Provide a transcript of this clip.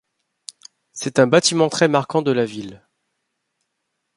C'est un bâtiment très marquant de la ville.